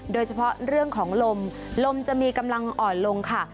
โดยเฉพาะเรื่องของลมลมจะมีกำลังอ่อนลงค่ะ